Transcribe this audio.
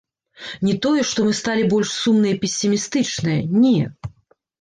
Не тое, што мы сталі больш сумныя песімістычныя, не.